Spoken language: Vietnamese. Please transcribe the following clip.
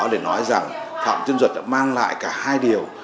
để nói rằng phạm trương duật đã mang lại cả hai điều